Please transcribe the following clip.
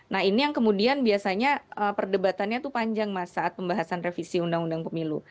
nah ini yang kemudian biasanya perdebatannya itu panjang mas saat pembahasan revisi undang undang pemilu